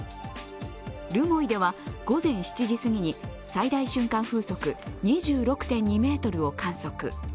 留萌では午前７時過ぎに最大瞬間風速２６．２メートルを観測。